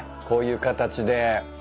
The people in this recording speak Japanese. こういう形で。